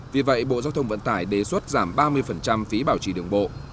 vì vậy bộ giao thông vận tải đề xuất giảm ba mươi phí bảo trì đường bộ